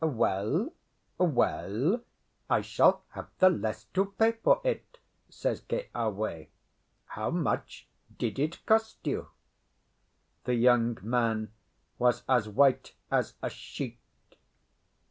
"Well, well, I shall have the less to pay for it," says Keawe. "How much did it cost you?" The young man was as white as a sheet.